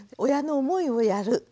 親の思いをやる。